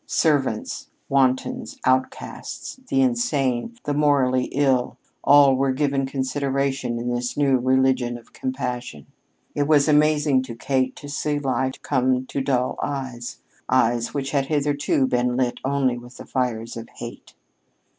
Servants, wantons, outcasts, the insane, the morally ill, all were given consideration in this new religion of compassion. It was amazing to Kate to see light come to dull eyes eyes which had hitherto been lit only with the fires of hate.